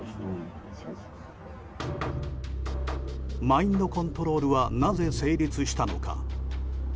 マインドコントロールはなぜ成立したのか。